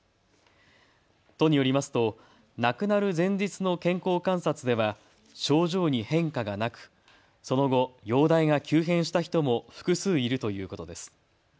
都によりますと亡くなる前日の健康観察では症状に変化がなくその後、容体が急変した人も複数いるということです。